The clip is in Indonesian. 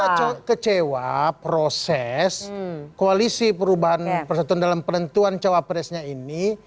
kita kecewa proses koalisi perubahan persatuan dalam perentuan cowok presnya ini